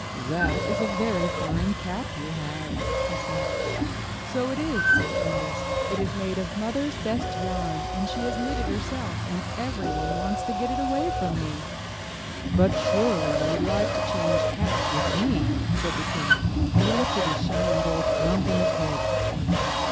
'That is a very fine cap you have, he said. '*So it is," said Anders, *'it is made of Mother's best yarn, and she has knit it herself, and every one wants to get it away from me.*' ''But surely you would like to change caps with me," said the king, and he lifted his shining gold crown from his head.